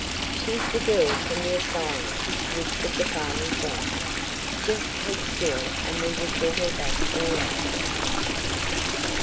"She's the girl from the asylum," whispered the farmer's wife. "Jest keep still and we will git her back all right."